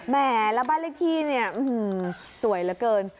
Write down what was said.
แหมแล้วบ้านเลขที่เนี่ยสวยเหลือเกิน